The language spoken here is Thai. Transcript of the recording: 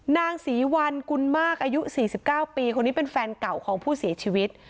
นางศรีวัลกุลมากอายุ๔๙ปีคนนี้เป็นแฟนเก่าของผู้เสียชีวิต